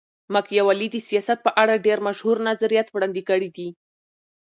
ماکیاولي د سیاست په اړه ډېر مشهور نظریات وړاندي کړي دي.